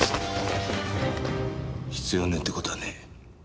必要ねえって事はねえ。